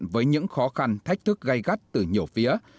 với những khó khăn thách thức gây gắt từ nhiều phía